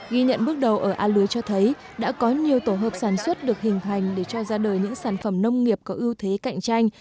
ghi nhận bước đầu ở a lưới cho thấy đã có nhiều tổ hợp sản xuất được hình hành để cho ra đời những sản phẩm nông nghiệp có ưu thế cạnh tranh